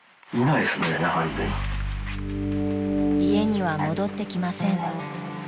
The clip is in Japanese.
［家には戻ってきません］